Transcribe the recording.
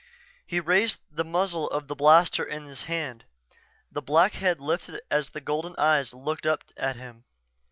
_" He raised the muzzle of the blaster in his hand. The black head lifted and the golden eyes looked up at him.